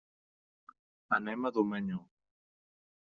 Anem a Domenyo.